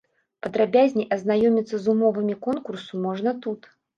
Падрабязней азнаёміцца з умовамі конкурсу можна тут.